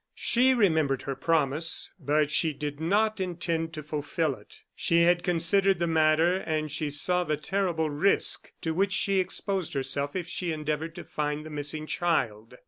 She remembered her promise, but she did not intend to fulfil it. She had considered the matter, and she saw the terrible risk to which she exposed herself if she endeavored to find the missing child.